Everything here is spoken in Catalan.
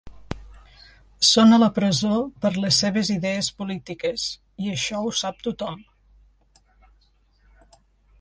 Són a la presó per les seves idees polítiques, i això ho sap tothom.